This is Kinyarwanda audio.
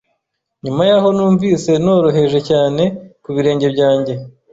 Nyuma yaho numvise noroheje cyane ku birenge byanjye.